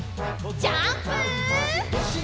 ジャンプ！